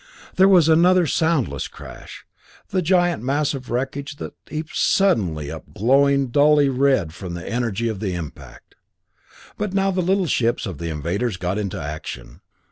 There was another soundless crash, and the giant mass of wreckage that heaped suddenly up glowed dully red from the energy of impact. But now the little ships of the invaders got into action.